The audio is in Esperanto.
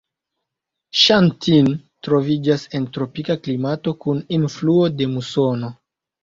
Ŝa Tin troviĝas en tropika klimato kun influo de musono.